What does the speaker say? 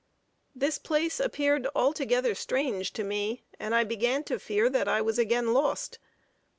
This place appeared altogether strange to me, and I began to fear that I was again lost.